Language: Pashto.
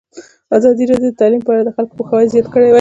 ازادي راډیو د تعلیم په اړه د خلکو پوهاوی زیات کړی.